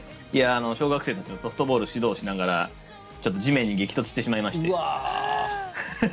小学生たちのソフトボールの指導をしながらちょっと地面に激突してしまいまして。